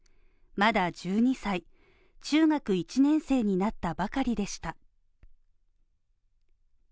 まだ１２歳、中学１年生になったばかりでした。